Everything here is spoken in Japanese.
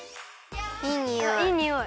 いいにおい。